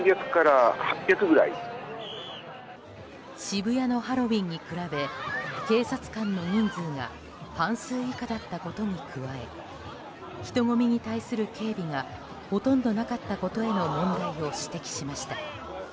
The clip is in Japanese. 渋谷のハロウィーンに比べ警察官の人数が半数以下だったことに加え人混みに対する警備がほとんどなかったことへの問題を指摘しました。